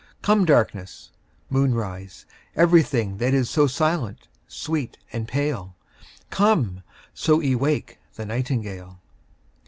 Come darkness, moonrise, every thing That is so silent, sweet, and pale: Come, so ye wake the nightingale.